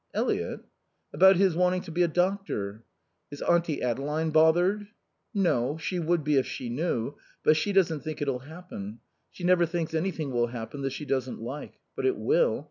"Eliot?" "About his wanting to be a doctor." "Is Auntie Adeline bothered?" "No. She would be if she knew. But she doesn't think it'll happen. She never thinks anything will happen that she doesn't like. But it will.